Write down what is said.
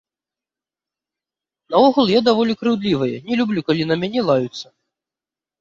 Наогул, я даволі крыўдлівая, не люблю, калі на мяне лаюцца.